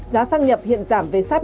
giá xăng nhập hiện giảm về sát